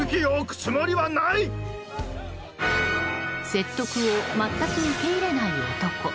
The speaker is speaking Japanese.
説得を全く受け入れない男。